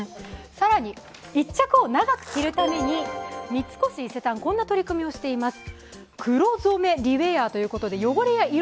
さらに１着を長く着るために三越伊勢丹こんな取り組みをしています。